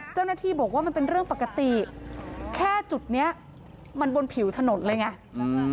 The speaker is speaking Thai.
เจ้าหน้าที่บอกว่ามันเป็นเรื่องปกติแค่จุดเนี้ยมันบนผิวถนนเลยไงอืม